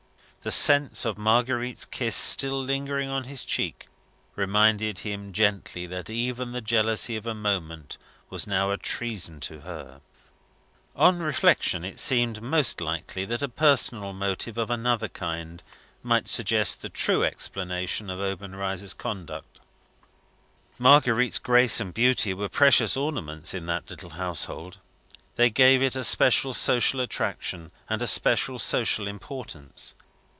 The sense of Marguerite's kiss still lingering on his cheek reminded him gently that even the jealousy of a moment was now a treason to her. On reflection, it seemed most likely that a personal motive of another kind might suggest the true explanation of Obenreizer's conduct. Marguerite's grace and beauty were precious ornaments in that little household. They gave it a special social attraction and a special social importance.